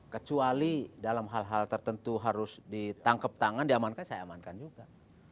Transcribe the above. kecuali dalam hal hal tertentu harus ditangkap tangan diamankan saya amankan juga